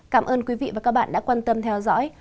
cảm ơn quý vị và các bạn đã quan tâm theo dõi